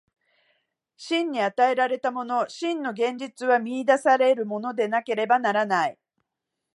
真に与えられたもの、真の現実は見出されるものでなければならない。